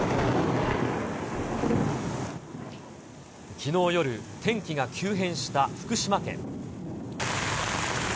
きのう夜、天気が急変した福島県。